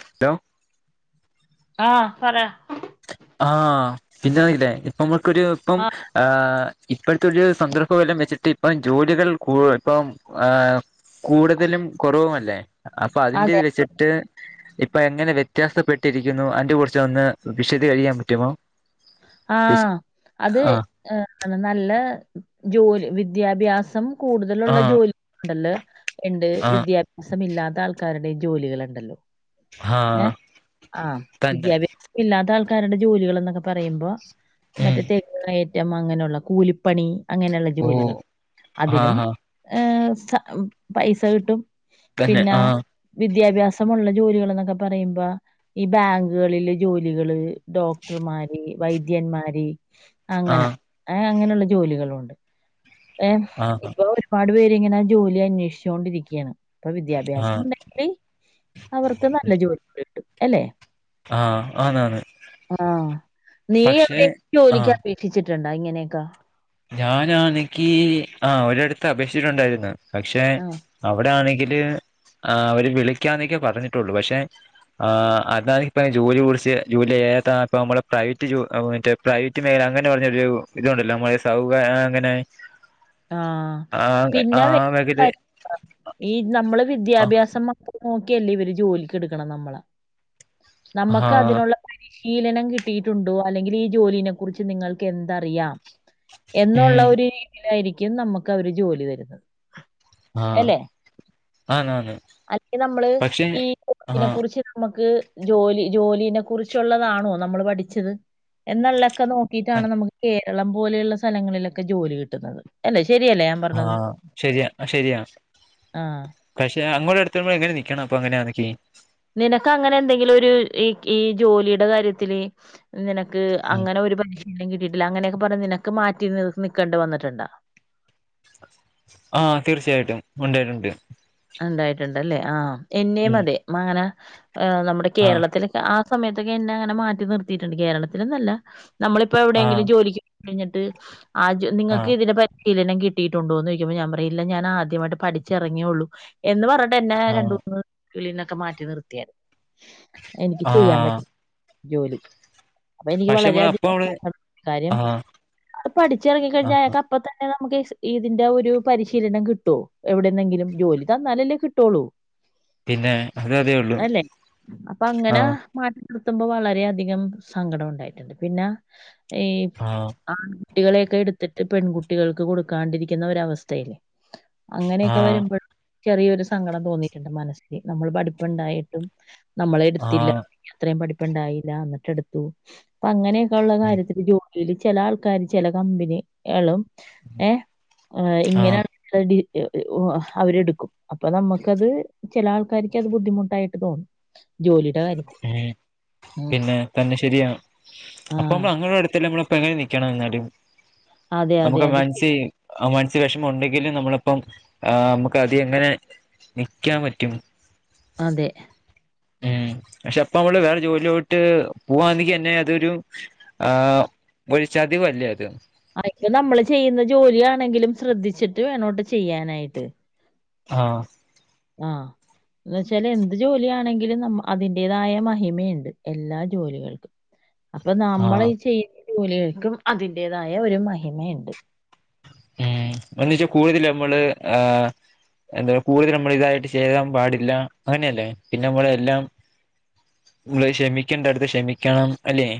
Hello ആഹ് പറ ആ പിന്നായില്ലേ ഇപ്പ നമ്മ കുരിയപ്പം ആഹ് ആ ഇപ്പോഴത്തെ ഒരു സന്ദർഭഫലം വെച്ചിട്ട് ഇപ്പം ജോലികൾ കുഴ് ഇപ്പം ആ കൂടുതലും കുറവുമല്ലേ. അപ്പ അതിന്റെ അതെ ഇത് വെച്ചിട്ട് ഇപ് ഇപ്പ എങ്ങനെ വ്യത്യാസപ്പെട്ടിരിക്കുന്നു അന്റെ കുറച്ച് ഒന്ന് [unintelligible] വിഷത് കഴിയാൻ പറ്റുമോ? വിശ ആഹ് അത് ആഹ് ഏ നല്ല ജോലി വിദ്യാഭ്യാസം കൂടുതലുള്ള ആഹ് ജോലി ഉണ്ടല്ലോ ഇണ്ട് ആഹ് വിദ്യാഭ്യാസ മില്ലാത്ത ആൾക്കാരുടെയും ജോലികൾ ഇണ്ടല്ലോ. എ ആഹ് ആ തന്നെ വിദ്യാഭ്യാസ ഇല്ലാത്ത ആൾ ആക്കാരുടെ ജോലികൾ എന്നൊക്കെ പറയുമ്പോ ഉം മറ്റേ [unintelligible] റ്റം അങ്ങനെയുള്ള കൂലിപ്പണി അങ്ങനെയുള്ള ഓ ജോലികൾ അതിനും ആഹ് ആഹ് എ സ് സ പൈസ കിട്ടും. തന്നെ പിന്ന ആഹ് വിദ് വിദ്യാഭ്യാസമുള്ള ജോലികൾ എന്നൊക്കെ പറയുമ്പോ ഈ ബാങ്കുകളിലെ ജോലികള് ഡോക്ടർമാര് വൈദ്യന്മാരി അങ്ങന ആഹ് ഏ അങ്ങനെയുള്ള ജോലികളുണ്ട്. ഏ ആഹ് ഇപ്പോ ഒരുപാട് പേര് പ്പ ഇങ്ങനെ ജോലി അന്വേഷിച്ചുക്കൊണ്ടിരിക്കുകയാണ്. ഇപ്പ വിദ്യാഭ്യാസം ആഹ് ഉണ്ടെങ്കില് അവർക്ക് നല്ല ജോലിയുണ്ട്. അല്ലെ ആഹ് ആണാണ്. ആഹ് നീ എവിടെ [unintelligible] ജോലിക്ക് അപേക്ഷിച്ചി ഇതുകണ്ടോ ഇങ്ങനെയൊക്ക. ഞാനാ എക്ക് ആ ഒരടത്ത് അപേക്ഷിച്ചിട്ടുണ്ടായിരുന്നു. പക്ഷേ ആഹ് അവിടെ ആണെങ്കിൽ ങ്കിൽ അവര് വിളിക്കാന്നൊക്കെ പറഞ്ഞിട്ടുള്ളൂ, പക്ഷേ ആ അത ഇപ്പെ ജോലി ഒഴിച്ച് ജോലി ചെയ്യാത്ത ഇപ്പ നമ്മള് പ്രൈവറ്റ് ജോ മറ്റേ പ്രൈവറ്റ് മേഖല അങ്ങനെ പറഞ്ഞ ഒര് ഇതണ്ടല്ലോ [unintelligible] സൗഖ അങ്ങനെ ആഹ് ആ ആ പിന്നെ മേഖല [inaudible] ഈ നമ്മള് ആ വിദ്യാഭ്യാസം മാത്ര നോക്കിയല്ലേ ഇവര് ജോലിക്ക് എടുക്കണ നമ്മള ആ നമ്മക്ക് അതിനുള്ള വഴി പരിശീലനം കിട്ടിയിട്ടുണ്ടോ അല്ലെങ്കിൽ ഈ ജോലീനെ കുറിച്ച് നിങ്ങൾക്ക് എന്തറിയാം എന്നുള്ള ഉം ഒരു രീതിയിലായിരി ക്കും നമ്മുക്ക് അവര് ജോലി തരുന്നത് ആ അല്ലെ ആന്നാന്ന് അല്ലെങ്കിൽ നമ്മള് പക്ഷെ ഈ ആ [unintelligible] കുറിച്ച് നമുക്ക് ജോലി ജോലിനെ കുറിച്ചുള്ളതാണോ നമ്മൾ പഠിച്ചത് എന്നുള്ളൊക്കെ നോക്കിയിട്ടാണ് നമുക്കെ കേരളം പോലെയുള്ള സ്ഥലങ്ങളിലൊക്കെ ജോലി കിട്ടുന്നത് അല്ലെ ആഹ് ശരിയാ ശരിയാ ആ. പക്ഷെ അങ്ങോട്ട് എടുത്ത നമ്മള് എങ്ങനെ നി ക്കണം അപ്പൊ അങ്ങനെ ആണെങ്കി നിനക്ക് അങ്ങനെ എന്തെങ്കിലും ഒരു ഈ ഈ ജോലിയുടെ കാര്യത്തില് നിന ക്ക് അങ്ങനെ ഒരു പശ് ഒന്നും കിട്ടിയിട്ടില്ല അങ്ങനെയൊക്കെ പറഞ്ഞ് നിനക്ക് മാറ്റി നിക്കേണ്ട് വന്നിട്ടുണ്ടാ ആഹ് തീർച്ചയായിട്ടും ഉണ്ടായിട്ടുണ്ട് ഉണ്ടായിട്ടുണ്ടല്ലേ ആ എന്നെയും ഉം അതെ മങ്ങന ഈഹ് നമ്മുടെ ആ കേരളത്തില്ക്കാ സമയത്തൊക്കെ എന്നാ അങ്ങന മാറ്റി നിർത്തിയിട്ടുണ്ട് കേരളത്തിലെന്നല്ല നമ്മളിപ്പോ ആഹ് എവിടെങ്കിലും ജോലിക്ക് കഴിഞ്ഞിട്ട് ആ ജ് നിങ്ങൾക്ക് ആഹ് ഇതിനെ പ ശീലനം കിട്ടിയിട്ടുണ്ടോന്ന് ചോയിക്കുമ്പ ഞാൻ പറയും ഇല്ല ഞാൻ ആദ്യമായിട്ട് പഠിച്ച് ഇറങ്ങിയേയുള്ളു എന്ന് പറ ന്നെ ആഹ് രണ്ടുന്ന് കളിന്നൊക്കെ മാറ്റി നിർത്തിയരു എനിക്ക് ചെയ്യാൻ ആഹ് പറ്റും ജോലി അപ്പൊ എനിക്ക് പക്ഷെ നമ്മള് അപ്പ വളരെയധികം നമ്മള് സങ്കടൊണ്ട് കാര്യം ആഹ് പഠിച്ചിറങ്ങിക്കഴിഞ്ഞ ആഹ് അയാൾക്ക് അപ്പ തന്നെ ക നമുക്ക് ഇതിന്റെ ഒരു പരിശീലനം കിട്ടോ എവിടുന്നെങ്കിലും ജോലി [unintelligible] എന്നാലല്ലേ കിട്ടൊള്ളു പിന്നെ അത് അതേ ഉള്ളൂ അല്ലെ അപ്പൊ അങ്ങന ആഹ് മാ നിർത്തുമ്പോ വളരെയധികം സങ്കടം ഉണ്ടായിട്ടുണ്ട് പിന്നാ ഈ ആഹ് കുട്ടികളെയൊക്കെ എടുത്തിട്ട് പെൺകുട്ടികൾക്ക് കൊടുക്കാണ്ടിരിക്കുന്ന ഒരു അവസ്ഥയില്ലേ അങ്ങനെയൊക്കെ ആഹ് വരുമ്പ ചെറിയൊരു സങ്കടം തോന്നിട്ടുണ്ട് മനസ്സില് നമ്മള് പഠിപ്പുണ്ടായിട്ടും നമ്മളെ എടുത്തില്ല ആഹ് അത്രയും പഠി ഇപ്പണ്ടായീല എന്നിട്ട് എടുത്തു അപ്പൊ അങ്ങനെ ഒള്ള ഉം കാര്യത്തില് ജോല ചില ആൾക്കാര് ചില കമ്പിനികളും ഏ ആഹ് ഇങ്ങനാണ് [unintelligible] ഓ അവരെടു അപ്പൊ നമുക്കത് ചില ആൾക്കാര്ക്കഅത് ബുദ്ധിമുട്ടായിട്ട് തോന്നും ജോലി ഉം പിന്നെ തന്നിഷ് [unintelligible] അപ്പം ആഹ് ഞങ്ങളുടെ അടുത്തല്ലന്നെ ഇപ്പം എങ്ങനെ നിക്കണം എല്ലാരും അതെ അതെ നമുക്ക് അത് ശ- മനസി ആ മന ത്തിരി വെഷമ ഉണ്ടെങ്കിലും നമ്മളിപ്പം ആ നമുക്കത് എങ്ങനെ നിക്കാൻ പറ്റും അതെ ഉം പക്ഷെ അപ്പ അവള് വേറെ ജോലിയോട്ട് പോവാണെങ്കി എന്നെ അതൊരു ആ ഒരു ചതില്ലേ അത് അതിപ്പം നമ്മള് ചെയ്യുന്ന ജോലിയാണെങ്കിലും ശ്രദ്ധിച്ചിട്ട് വീണോട്ടോ ചെയ്യാനായിട്ട് ആ ആ എന്നുവച്ചാല് എന്ത് ജോലിയാണെങ്കിലും നമ്മ അതിന്റേതായ മഹിമയുണ്ട് എല്ലാ ജോലികൾക്കും അപ്പൊ ആഹ് നമ്മളി ചെയ്യു ജോലികൾക്കും അതിന്റെതായ ഒരു മഹിമയുണ്ട് ഉം എന്ന് വെച്ചാ കൂടുതല് നമ്മള് ആ എന്താ കൂടുതല് നമ്മളിതായിട്ട് ചേരാൻ പാടില്ല അങ്ങനെയല്ലേ പിന്നെ നമ്മള് എല്ലാം നമ്മള് ക്ഷമിക്കേണ്ടടുത്ത് ക്ഷമിക്കണം അല്ലേ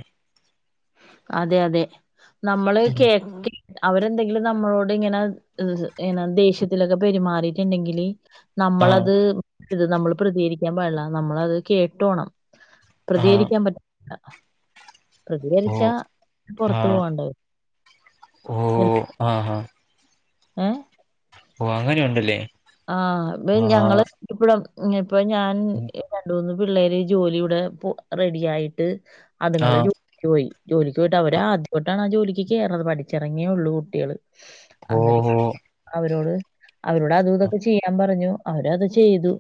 അതെ അതെ നമ്മള് ഉം കേട്ടി അവരെന്തെങ്കിലും നമ്മളോടിങ്ങനെ ഈ എന്ന ദേഷ്യത്തിലൊക്കെ പെരുമാറിയിട്ടുണ്ടെങ്കില് ആഹ് നമ്മളത് ഇത് നമ്മള് പ്രതികരിക്കാൻ പാടില്ല നമ്മളത് കേട്ടോണം ആഹ് പ്രതികരിക്കാൻ പറ്റ ആ പ്രതികരി ആ ഓ ആ ഹ ഏ ഓ അങ്ങനെയ ഉണ്ടല്ലേ ആഹ് [unintelligible] ഞങ്ങള് [unintelligible] [unintelligible] ഇപ്പൊ ഞാൻ ഉം രണ്ട മൂന്ന് പിള്ളേര് ജോലി ഇവിടെ പോ റെഡി ആയിട്ട് അതുങ്ങള്ൾ ആഹ് [unintelligible] ജോലിക്ക് പോയിട്ട അവര് ആദ്യമായിട്ടാണ് ആ ജോലിക്ക് കയറണത് പഠിച്ചിറങ്ങിയേ ഉള്ളൂ കുട്ടികള് ഓ അന്നെതിക്ക് ഓ അവരോട് അവരോട് അത് ഇതും ത് ചിയ്യാൻ പറഞ്ഞു അവരത് ചെയ്തു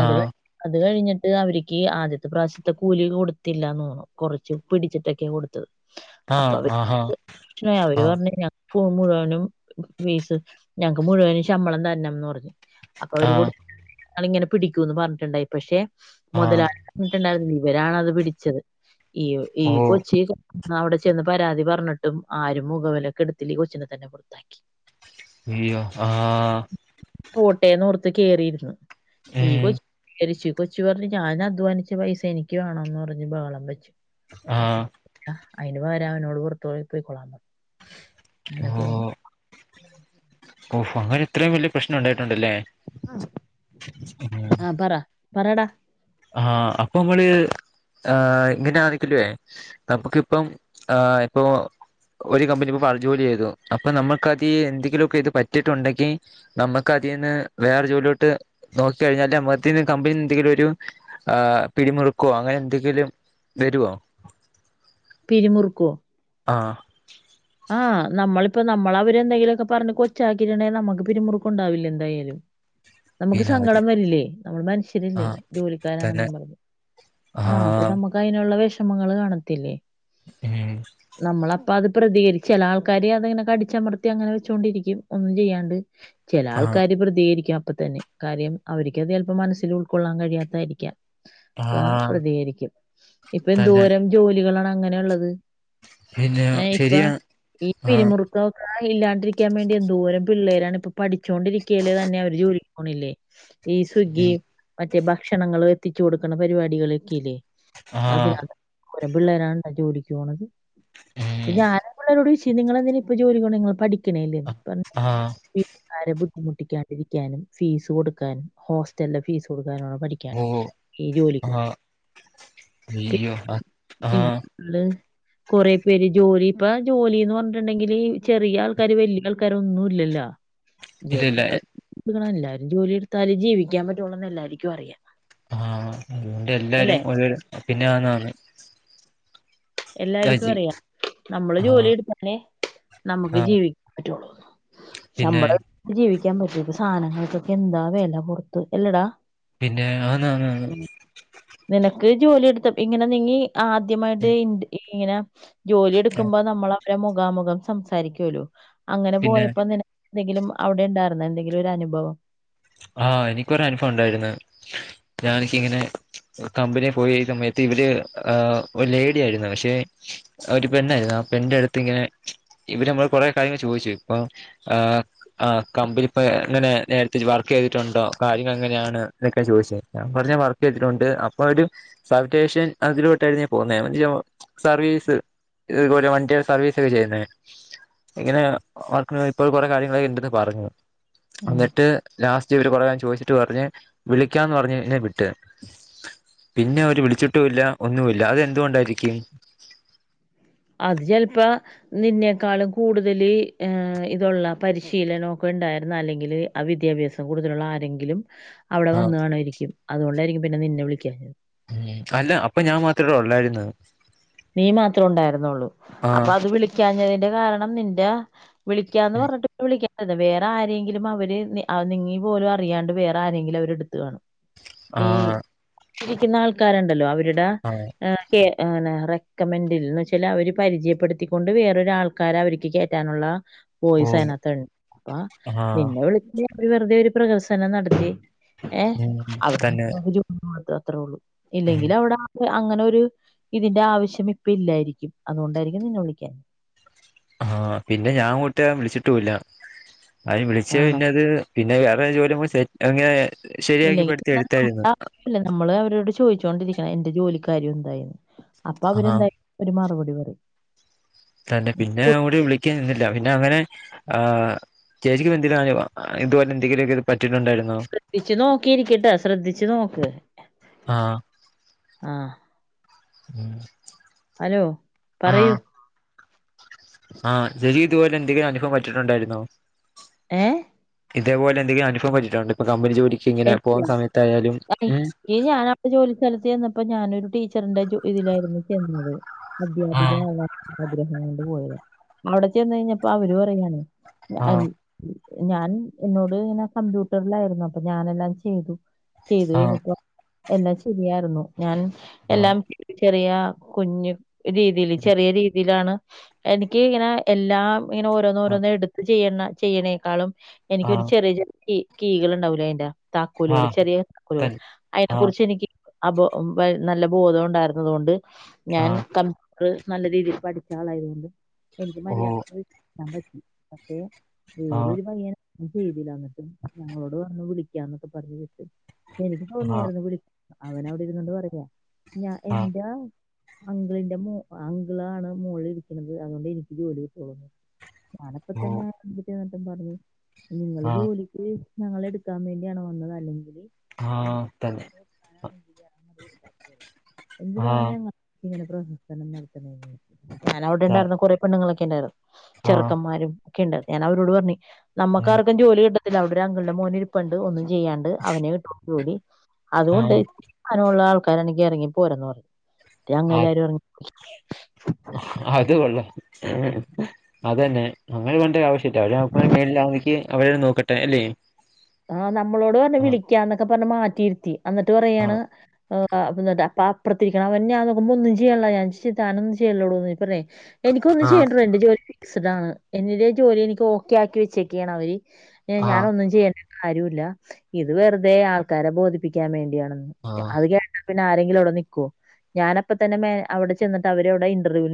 അത് വെ അത് കഴിഞ്ഞിട്ട് ട്ട് അവര്ക്ക് ആദ്യത്തെ പ്രാവശ്യത്തെ കൂലി കൊടുത്തില്ലാന്നോ കൊറച്ച് പിടിച്ചിട്ടൊക്കെ കൊടുത്തത് അപ്പൊ ആഹ് അവര്ക്ക് ആഹാ [unintelligible] അവര് ആഹ് പറഞ്ഞ് ഞങ്ങ് ഫോ മുഴുവനും വീസ് ഞങ്‌ക്ക് മുഴുവനും ശമ്പളം തരണംന്ന് പറഞ്ഞു അപ്പൊ അവര് കൊടു ആഹ് അളിങ്ങനെ പിടിക്കൂന്ന് പറഞ്ഞിട്ടുണ്ടായി പക്ഷെ ആഹ് മൊതലാളിടെ ഉം ണ്ടായിന്ന് ഇവരാണത് പിടിച്ചത് ഈ ഒ ഈ ഓ കൊച്ചിക് ന്നവടെ ചെന്ന് പരാതി പറഞ്ഞിട്ടും ആരും മുഖവെലൊക്കെടുത്തില്ല ഈ കൊച്ചിനെ തന്നെ പുറത്താക്കി അയ്യോ ആ പോട്ടേന്നോർത്ത് കേറിയിരുന്നു ഈഗോ ഉം [unintelligible] കൊച്ച് പറഞ്ഞ് ഞാൻ അധ്വാനിച്ച പൈസ എനിക്ക് വേണോന്ന് പറഞ്ഞ് ബഹളം വെച്ചു ആഹ് [unintelligible] അയിന് പകരാ അവനോട് പുറത്ത് പോയി കഴിക്കൊളാം പറ അനേ പോവുന്നു [inaudible] ഓഹോ അങ്ങനെത്രേം വലിയ പ്രശ്ന ഒ ണ്ടായിട്ടുണ്ടല്ലേ ആ ആ പറ പറേടാ ആ അപ്പൊമ്മള് ഹ് ഇങ്ങനെ അറിക്കല്ല്യോ നമുക്കിപ്പം ആ എപ്പോ ഒരു കമ്പനി [unintelligible] ജോലി ചെയ്തു അപ്പൊ നമ്മുക്കതിലെന്തെങ്കിലൊക്കെ ഇത് പറ്റിട്ടുണ്ടെങ്കി നമ്മുക്കതീന്ന് വേറെ ജോലിലോട്ട് നോക്ക്‌ കഴിഞ്ഞാാലേഅതന്നു കമ്പനി എന്തെങ്കിലും ഒരു ആ പിടിമുറുക്കുവോ അങ്ങന എന്തെങ്കിലും വരുവോ പിരിമുറുക്കോ ആഹ് പ്പൊ നമ്മളവരെന്തെങ്കിലൊക്കെ പറഞ്ഞ് കൊച്ചാക്കിയിട്ടുണ്ടേൽ നമുക്ക് പിരിമുറുക്കണ്ടാവില്ല എന്തായാലും നമുക്ക് വിനോദി സങ്കടം വരില്ലേ നമ്മൾ ആ മനുഷ്യരില്ലേ തന്നെ ജോലിക്കാരാണെന്നും പറഞ്ഞ് ആ അപ്പൊ നമുക്ക് അയിനുള്ള വെഷ് ഷമങ്ങള് കാണത്തില്ലേ എ ഏ പ്പൊ അത് പ്രതികരിക്കും ചെല ആൾക്കാര് അതങ്ങനെ കടിച്ചമർത്തി അങ്ങനെ വെച്ചൊണ്ടിരിക്കും ഒന്നും ചെയ്യാണ്ട് ചെല ആ ആൾക്കാാര് പ്രതികരിക്കാം പ്പൊത്തന്നെ കാര്യം അവർക്ക്ത് ചല്പ്പം മനസ്സിൽ ഉൾക്കൊള്ളാൻ കഴിയാത്തായിരിക്കാ ആ ഇപ്പ പ്രതികരിക്കും ഇപ്പൊ തന്നെ എന്തൂരം ജോലികളാണ് ങ്ങനെയുള്ളത് പിന്നെ ശരിയാ ഈ ആ പിരിമുറുക്കൊക്കെ ഇല്ലാണ്ടിരിക്കാൻ വേണ്ടി എന്തുവോരം പിള്ളേരാണ് ഇപ്പൊ പഠിച്ചൊണ്ടിരിക്യാൽ തന്നെ അവര് ജോലി പോണില്ലേ ഈ സ്വിഗ്ഗി ഉം മറ്റ് റ്റേ ഭക്ഷണങ്ങൾ എത്തിച്ചു കൊടുക്ക്ണ പരിപാടികൾ ഒക്കെയില്ലേ ആ അതിനാത് എന്തോരം പിള്ളേരാണ്ടാ ജോലി ക്യോണത് ഇപ്പം ഉം ഞാനാ പുള്ളേരോടൊയ്ച് നിങളെന്തിനാ ഇപ്പം ജോലിക്കൊനെ ഇങ്ങൾ പഠിക് ക്ണേല്ലേ അപം പറഞ് ആ വീട്ട്കാരെ ബുദ്ദ് ബുദ്ധിമുട്ടിക്കാണ്ടിരിക്കാനും ഫീസ് കൊടുക്കാനും ഹോസ്റ്റൽലെ ഫീസ് കൊട് [unintelligible] പഠിക്യാനെ ഓ ഈ ജോലിക്ക് ആ പോണേ അയ്യോ ആ ആ [unintelligible] കൊറേ പേര് ജോലി ഇപ്പ ജോലിന്ന് പറഞ്ഞിട്ട്ണ്ടെങ്കില് ചെറിയ ആൾക്കാര് വല്ലിയ ആൾക്കാരൊന്നും ഇല്ലല്ലോ [unintelligible] [unintelligible] ഇല്ലല്ല എല്ലരും ജോലിയെടുത്താലെ ജീവിക്കാൻ പറ്റുയൊള്ളു എന്ന് എല്ലാരിക്കും അറിയാം ആ അതുകൊണ്ട് അല്ലെ എല്ലാരും ഒരോരു പിന്നെ ആന്ന് ആന്ന് എല്ലാര്ക്കും അറിയ നമ്മള് ആ ജോലി എടുത്താലേ നമ്മക്ക് ആ ജീവിക്കാൻ പറ്റുയൊള്ളുന്ന് പിന്നെ ശംമ്പളം [unintelligible] ജീവിക്കാ ക്യാ പറ്റോ ഇപ്പം സനങ്ങൾക്കൊക്കെ എന്താ വെല പൊർത്ത് എല്ലെഡാ പിന്നെ ആന്നാന്നാന്ന് നിനക്ക് ജോലി എടുത്ത് ഇങ്ങനെ നിങ്ങി ആദ്യമായിട്ട് ഇന്റ മീനാ ജോലി ആ എടുക്കുമ്പോ നമ്മള രെ മുഖാമുഖം സംസാരിക്കുവോലോ അങ്ങനെ പിന്നെ പോയപ്പോ നിന എന്തെങ്കിലും അവിടെ ഉണ്ടായിരുന്നൊ എന്തെങ്കിലും ഒരനുഭവം ആ എനികൊരനുഫവം ഒണ്ടായിരുന്ന് ഞാൻ എനിക്ക് ഇങ്ങനെ കമ്പിനി പോയ് സമയത്ത് ഇവര് ഒരു ലേഡിയായിര്ന്നു പക്ഷെ ഒരു പെണ്ണായിര്ന്നു ആ പെണ്ണിന്റെ അട്ത്ത് ഇങ്ങനെ ഇവര് നമ്മൾ കൊറേ കാര്യങ്ങൾ ചോയിച്ച് ഇപ്പം ആ ആ കമ്പിനി പ്പം ഇങ്ങനെ നേരത്തെ വർ കെയ്തിട്ടുണ്ടോ കാര്യങ്ങളെങ്ങനെയാണ് ഇതൊക്കെ ചോയ്ച്ചെ ഞാൻ പറഞ് വർകെയ്തിട്ടൊണ്ട് അപ്പവര് സർവിടെഷൻ [unintelligible] ഞാൻ പോവുന്നെ [unintelligible] സർവീസ് [unintelligible] വണ്ടീടെ സർവീസൊക്കെ ചെയ്യുന്നേ ഇങ്ങനെ വർക്കിനൊയപ്പോ കൊറേ കാര്യങ്ങൾ ഇണ്ടെന്ന് പറഞ്ഞു ഉം അന്നിട്ട് ലാസ്റ്റ് ഇവര് പറയാൻ ചോദിച്ചിട്ട് പറഞ്ഞ് വിളിക്കാന്ന് പറഞ്ഞ് എന്നെ വിട്ട് പിന്നെ അവര് വിളിച്ചിട്ടും ഇല്ല ഒന്നുമില്ല അതെന്തുകൊണ്ടായിരിക്കും അത് ചിലപ്പോ നിന്നേക്കാളും കൂടുതൽ ങേ ഇതുള്ള പരിശീലനൊക്കെ ഇണ്ടായിരുന്ന അല്ലെങ്കില് ആ വിദ്യാഭ്യാസം കൂടുതലുള്ള ആരെങ്കിലും അവിടെ ആഹ് വന്നുകാണുവായിരിക്കും അതുകൊണ്ടായിരിക്കും പിന്നെ നിന്നെ വിളിക്കാഞ് ഉം അല്ല അപ്പ ഞാൻ മാത്രെ ഒള്ളായിര്ന്ന് നീ മാത്രേ ഉണ്ടായിരുന്നുള്ളൂ അപ്പൊ ആഹ് അത് വിളി ക്കാഞ്ഞതിന്റെ കാരണം നിന്റെ വിളിക്കാന്ന് പറഞ്ഞിട്ട് പ്പോ വിളക്ക്യ അത് വേറെ ആരെങ്കിലും അവര് നി നിങ്ങീ പോലും അറിയാണ്ട് വേറെ ആരെങ്കിലും അവര് എടുത്ത് കാണും ഈ ആഹ് ഇരിക്കുന്ന ആൾക്കാരുണ്ടല്ലോ അവ എടാ ആ അ കേ ആണ റെ കമന്റിൽ ന്ന്ച്ചലഅവര് പരിചയപ്പെടുത്തിക്കൊണ്ട് വേറൊരാൾക്കാര അവരിക്ക് കയറ്റാനുള്ള ഓ പോയി സേനത്ത്പ്പ ആ നിന്ന വിളി [unintelligible] ഒരു വെറുതെ ഒരു പ്രഹസനം നടത്തി ഏഹ് ഉം അ തന്നെ [unintelligible] ത്രോള്ളു ഉം ഇല്ലെങ്കിൽ അവിടെ അ അങ്ങനെ ഒരു ഇതിന്റെ ആവശ്യ [unintelligible] ഇല്ലായിരിക്കും അതുകൊണ്ടായിരിക്കും നിന്നെ വിളിക്കാന്നെ ആഹ് പിന്നെ ഞാങ്ങോട്ട് വിളിച്ചിട്ടു ഇല്ല അയ്ൻ വിളിച്ച ആണ് പിന്നെത് പിന്നെ വേറെ ജോലിയുമ്പോ സെറ്റ് അങ്ങനെ ശരിയാക്കി ഇല്ലെങ്കി പെടുത്തി എടുത്തായിരുന്നു [unintelligible] നമ്മള് അവരോട് ചോദിച്ചോണ്ടിരി എന്റെ ജോലിക്കാര്യം എന്തായിന്ന് അപ്പൊ ആ അവര്ന്തായും ഒരു മറുപടി [inaudible] തന്നെ പിന്നെ അവര് വിളിക്കാൻ നിന്നില്ല അവന് പിന്നെ അങ്ങനെ ആ ചേച്ചിക്കും എന്തെങ്കിലും [unintelligible] ഇതുപോലെ എന്തെങ്കിലുംക്ക ശ്രദ്ധിച്ചു നോക്കിയിരിക്കിട്ടാ ശ്രദ്ധിച്ചു നോക്ക് ആ ആഹ് ഉം ഹലോ പറയൂ ആഹ് ചേച്ചി ഇതുപോലെ എന്തെങ്കിലും അനുഫവം പറ്റിട്ടുണ്ടായിരുന്നോ ഏ ഇതേപോലെ എന്തങ്കി അനുഫം പറ്റീട്ട്ണ്ടോ ഇപ്പ കമ്പനി ജോലി എനിക്കാ [inaudible] ഞൻ അവിട ജോലി സ്ഥലത്ത് ചെന്നപ്പോ ഞാനൊരു ടി ച്ചറിന്റെ ജോ ഇതിലായിരുന്നു ചെന്നത് ആ അദ്ധ്യാപികയാണ് ആഗ്രഹം കൊണ്ട് പോയത് അവിടെ ചെന്ന് കഴിഞ്ഞപ്പോ അവരു പറയാണ് ആ അ [unintelligible] ഞാൻ എന്നോട് ഇങ്ങനെ കമ്പ്യൂട്ടറിലായിരുന്നു അപ്പൊ ഞാനെല്ലാം ചെയ്തു ചെയ്തു ആ കഴഞ്ഞപ്പ എല്ലാ ശരിയായിരുന്നു ഞാൻ ആ എല്ലാം ചെറിയ കുഞ്ഞു രീതിയിൽ ഉം ചെറിയ രീതിയിലാണ് എനിക്ക് ഇങ്ങനെ എല്ലാം ഇങ്ങന ഓരോന്ന് ആ ഓരോന്ന് എടുത്ത് ചെയ്യുന്ന ചെയ്യണേക്കാളും ആ എനിക്കൊരു ചെറിയ ഈ കീകൾ ഉണ്ടാവൂ വേണ്ടാ താക്കോലുകൾ ആ ചെറിയ താക്കോലുകൾ തൻ അതിനെ ആ കുറിച്ച് എനിക്ക് അബോ നല്ല ബോധം ഉണ്ടായിരുന്നത് കൊണ്ട് ആ ഞാൻ ക ഒരു നല്ല രീതിയിൽ പഠിച്ച ആളായതുകൊണ്ട് എനിക്ക് ഓ മാര്യാദിക്ക് എത്താൻ പറ്റി ഓക്കെ ആ വേറൊരു പണിയാണ് ഏത് രീതിയിയാന്നിട്ടും ഞങ്ങളോട് വന്നി അന്ന് വിളിക്കാന്നൊക്കെ പറഞ്ഞ് വെച്ച എനിക്ക് ആ തോന്നിയായിരുന്നു വിളിക്കു അവനവിടെ ഇരുന്നോണ്ട് പറയാ ഞാൻ ആ എൻ്റാ അംഗിളിന്റെ മ അംഗിളാണ് മോള് ഇരിക്കുന്നത് അതുകൊണ്ട് എനിക്കെ ജോലി കിട്ടുള്ളുന്ന് ഞാനപ്പ ഓ തന്ന പറർവ [unintelligible] നിങ്ങള് ആ ജോലിക്ക് ഞങ്ങളെടു ക്കാൻ വേണ്ടിയാണ് വന്നത് അല്ലെങ്കിൽ ആ തന്നെ ആ എന്തിനാണ് ഇങ്ങനെ പ്രഹസനം നടത്തണേന് ഞാൻ അവിടെ ത ഉണ്ടായിരുന്ന കുറെ പെണ്ണൂങ്ങള് ഒണ്ടരുന്നു ആ ചെറുക്കൻന്മാരും ഒക്കെണ്ടായി ഞാൻഅവരോട് പറഞ്ഞു നമ്മുക്കാർക്കും ജോലികിട്ട അവിടെ ഒരുഅങ്കിൾന്റെ മോൻ ഇരുപ് പണ്ട് ഒന്നും ചെയ്യാണ്ട് അവനെ [unintelligible] ജോലി ആ അതുകൊണ്ട് [unintelligible] ആൾ കരനിക്ക് എറക്കി പോരുന്നോ [unintelligible] അ അത് കൊള്ളാം അത് തന്നെ അങ്ങനെ പറയണ്ടേ ആവിശ്യം ഇല്ലാ അവര് [unintelligible] അവരെ നോക്കട്ടെ അല്ലേ ആഹ നമ്മളോട് പറഞ്ഞ ആ വിളിക്കാന്നൊക്കെ പറഞ്ഞു മാറ്റിഇരുത്തി എന്നിട്ട് ആ പറയാണ് ആ അപ്പം അപ്പുറത്തിരിക്കുന്നവൻ ഞാൻ നോക്കുമ്പോൾ ഒന്നും ചെയ്യണിനില്ല ഞൻ ചോദിച്ചു താൻ ഒന്നുംചെയ്യാനില്ലേഡോ അപ്പം എനിക്ക ഒന്നും ആ ചെയ്യേണ്ടുണ്ട് ജോലി [unintelligible] എന്റെ ജോലി എനിക്ക് ഓക്കെ ആക്കി വെച്ചേക്കയാണ് അവര് എ ആ ഞാനൊന്നും ചെയ്യണ്ടാ ആരുല്ല ഇത് വെറുതെ ആൾക്കാരെ ബോധിപ്പിക്കാൻ വേണ്ടിയാണ് ആ അത്കേട്ടാ പിന്നെ ആങ്കിലുംവിടെ നിക്കോ ഞാൻ അപ്പോതന്നെ മാനേ അവടെ ചെന്നിട്ടു അവരുടെ ഇന്റർവൂ